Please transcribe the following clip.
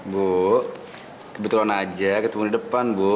bu kebetulan aja ketemu di depan bu